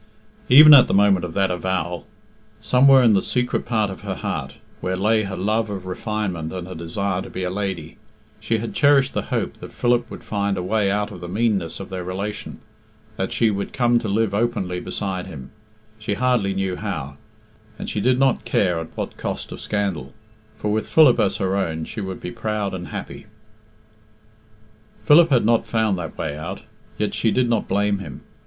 Even at the moment of that avowal, somewhere in the secret part of her heart, where lay her love of refinement and her desire to be a lady, she had cherished the hope that Philip would find a way out of the meanness of their relation, that she would come to live openly beside him, she hardly knew how, and she did not care at what cost of scandal, for with Philip as her own she would be proud and happy. Philip had not found that way out, yet she did not blame him.